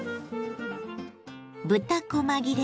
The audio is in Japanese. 豚こま切れ